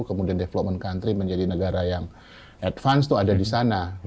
kemudian development country menjadi negara yang advance itu ada di sana